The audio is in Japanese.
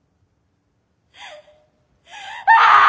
ああ！